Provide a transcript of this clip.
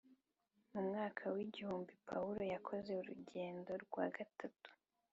mu mwaka w igihumbi pawulo yakoze urugendo rwa gatatu